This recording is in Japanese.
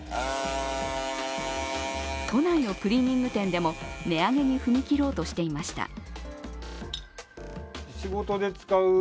都内のクリーニング店でも値上げに踏み切ろうとしていました。